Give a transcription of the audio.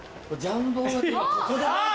あっ！